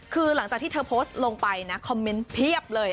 คือหลังจากที่เธอโพสต์ลงไปนะคอมเมนต์เพียบเลย